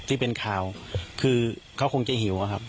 ที่เป็นข่าวคือเขาคงจะหิวอะครับ